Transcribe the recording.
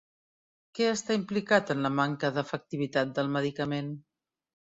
Què està implicat en la manca d'efectivitat del medicament?